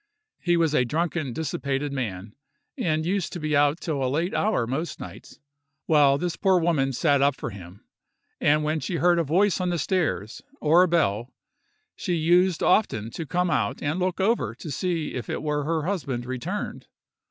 He was a drunken, dissipated man, and used to be out till a late hour most nights, while this poor woman sat up for him, and when she heard a voice on the stairs, or a bell, she used often to come out and look over to see if it were her husband returned.